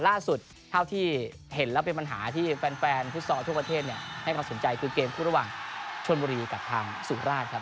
ล่าสุดเท่าที่เห็นแล้วเป็นปัญหาที่แฟนฟุตซอลทั่วประเทศให้ความสนใจคือเกมคู่ระหว่างชนบุรีกับทางสุราชครับ